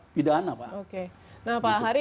pidana pak nah pak hari